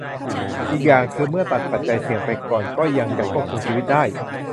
อีกอย่างคือเมื่อตัดปัจจัยเสี่ยงไปก่อนก็ยังจะควบคุมชีวิตได้